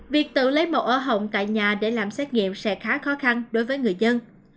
việc tự lấy mẫu ở hồng tại nhà để làm xét nghiệm sẽ khá khó khăn đối với người dân